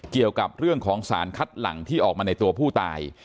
เกี่ยวกับเรื่องของสารคัดหลังที่ออกมาในตัวผู้ตาย